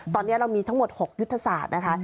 ตอนนี้เรามีทั้งหมด๖ยุทธศาสตร์นะคะ